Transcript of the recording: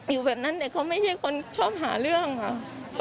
อยู่แบบนั้นแต่เขาไม่ใช่คนชอบหาเรื่องค่ะ